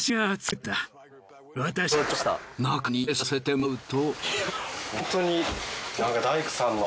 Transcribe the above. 中に入れさせてもらうと。